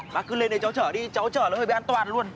bác cứ lên để cháu trở đi cháu trở nó hơi bị an toàn luôn